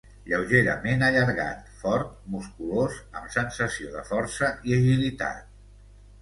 Lleugerament allargat, fort, musculós, amb sensació de força i agilitat.